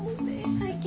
最近。